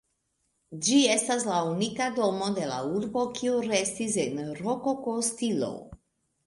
Ĝi estas la unika domo de la urbo kiu restis en rokoko stilo.